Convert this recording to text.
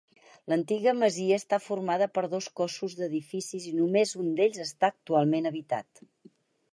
L'antiga masia està formada per dos cossos d'edificis i només un d'ells està actualment habitat.